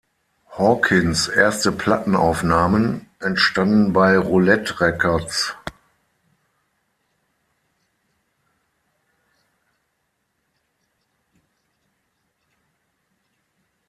Hawkins’ erste Plattenaufnahmen entstanden bei Roulette Records.